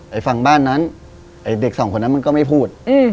ฝั่งบ้านนั้นไอ้เด็กสองคนนั้นมันก็ไม่พูด